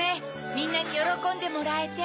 みんなによろこんでもらえて。